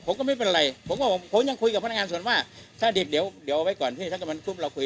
ผมก็ไม่เป็นไรผมก็ผมยังคุยกับพนักงานส่วนว่าถ้าเด็กเดี๋ยวเดี๋ยวเอาไว้ก่อนที่นี่ถ้าเกิดมันปุ๊บเราคุย